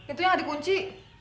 itu yang gak dikunci